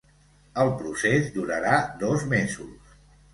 El procés durarà dos mesos.